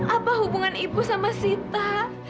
apa hubungan ibu sama sita